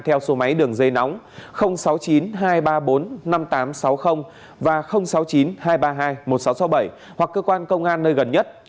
theo số máy đường dây nóng sáu mươi chín hai trăm ba mươi bốn năm nghìn tám trăm sáu mươi và sáu mươi chín hai trăm ba mươi hai một nghìn sáu trăm sáu mươi bảy hoặc cơ quan công an nơi gần nhất